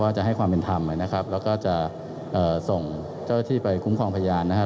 จะให้ความเป็นธรรมนะครับแล้วก็จะเอ่อส่งเจ้าที่ไปคุ้มครองพยานนะครับ